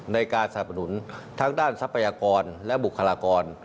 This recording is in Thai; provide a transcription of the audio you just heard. สนับสนุนทั้งด้านทรัพยากรและบุคลากร